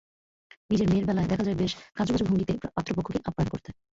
নিজের মেয়ের বেলায় দেখা যায় বেশ কাঁচুমাচু ভঙ্গিতে পাত্রপক্ষকে আপ্যায়ন করতে।